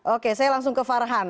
oke saya langsung ke farhan